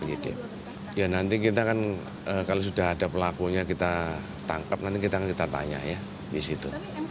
ya nanti kita kan kalau sudah ada pelakunya kita tangkap nanti kita tanya ya di situ